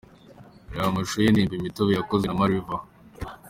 Reba amashusho y’indirimbo "Imitobe" yakozwe na Ma-Riva:.